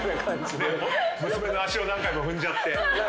娘の足を何回も踏んじゃって。